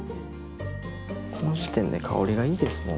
この時点で香りがいいですもう。